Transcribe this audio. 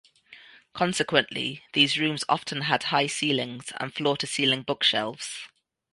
Consequently, these rooms often had high ceilings and floor-to-ceiling bookshelves.